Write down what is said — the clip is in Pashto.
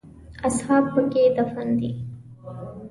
اصحاب په کې دفن دي.